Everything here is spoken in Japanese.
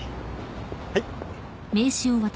はい